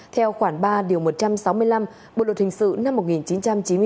theo khoảng ba một trăm sáu mươi năm bộ luật hình sự năm một nghìn chín trăm chín mươi bốn